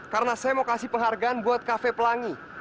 karena saya mau kasih penghargaan buat cafe pelangi